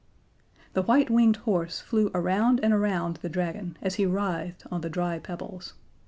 The white winged horse flew around and around the Dragon as he writhed on the dry pebbles.